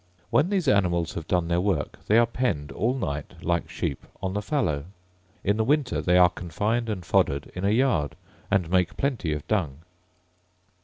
When these animals have done their work, they are penned, all night, like sheep, on the fallow. In the winter they are confined and foddered in a yard, and make plenty of dung.